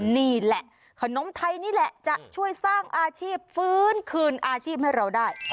นี่แหละขนมไทยนี่แหละจะช่วยสร้างอาชีพฟื้นคืนอาชีพให้เราได้